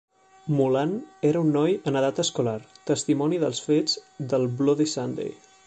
Mullan era un noi en edat escolar, testimoni dels fets del Bloody Sunday.